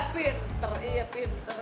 eh pinter iya pinter